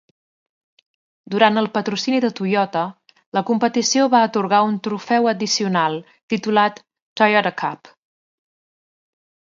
Durant el patrocini de Toyota, la competició va atorgar un trofeu addicional, titulat "Toyota Cup".